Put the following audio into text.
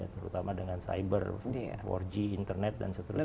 terutama dengan cyber empat g internet dan seterusnya